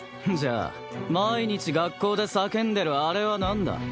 じゃあ毎日学校で叫んでるあれは何だ？